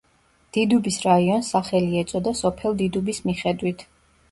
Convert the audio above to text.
დიდუბის რაიონს სახელი ეწოდა სოფელ დიდუბის მიხედვით.